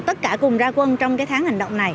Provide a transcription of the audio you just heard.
tất cả cùng ra quân trong cái tháng hành động này